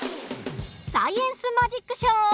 サイエンスマジックショー！